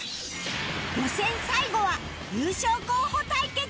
予選最後は優勝候補対決！